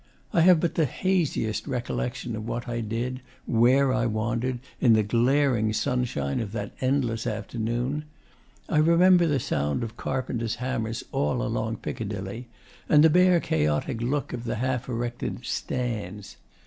I have but the haziest recollection of what I did, where I wandered, in the glaring sunshine of that endless afternoon. I remember the sound of carpenters' hammers all along Piccadilly, and the bare chaotic look of the half erected 'stands.